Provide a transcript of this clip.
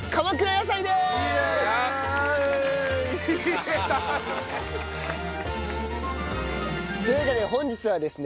よっ！というわけで本日はですね